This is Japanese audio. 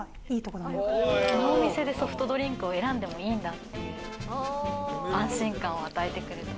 このお店でソフトドリンクを選んでもいいんだっていう安心感を与えてくれる。